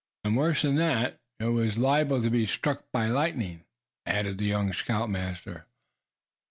"And worse than that, it was liable to be struck by lightning," added the young scoutmaster.